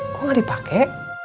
kok gak dipake